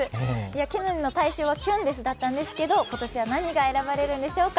去年の大賞は「きゅんです」だったんですけれども、今年は何が選ばれるでしょうか。